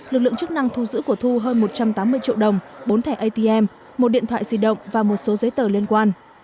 lực lượng chức năng thu giữ của thu hơn một trăm tám mươi triệu đồng bốn thẻ atm một điện thoại di động và một số giấy tờ liên quan